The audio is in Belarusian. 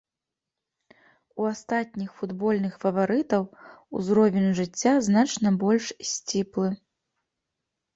У астатніх футбольных фаварытаў узровень жыцця значна больш сціплы.